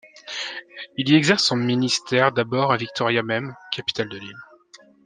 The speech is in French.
Il y exerce son ministère d’abord à Victoria même, capitale de l’île.